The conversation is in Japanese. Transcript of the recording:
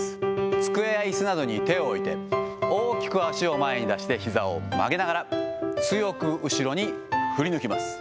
机やいすなどに手を置いて、大きく足を前に出してひざを曲げながら、強く後ろに振り抜きます。